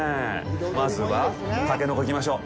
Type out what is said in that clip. まずは、タケノコ、いきましょう。